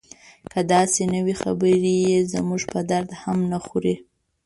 که داسې نه وي خبرې یې زموږ په درد هم نه خوري.